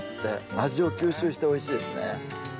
味を吸収しておいしいですね。